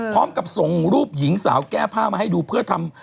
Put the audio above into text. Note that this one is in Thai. พร้อมกับส่งรูปหญิงสาวแก้ผ้ามาให้ดูเพื่อทำ